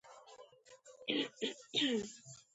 ჰენრი მარიამ სტიუარტის პირველი ბიძაშვილი და მეორე ქმარი იყო.